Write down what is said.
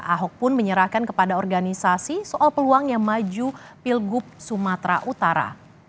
ahok pun menyerahkan kepada organisasi soal peluang yang maju pilgub sumatera utara